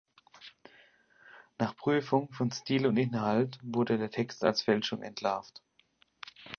Nach Prüfung von Stil und Inhalt wurde der Text als Fälschung entlarvt.